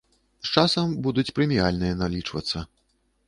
З часам будуць прэміальныя налічвацца.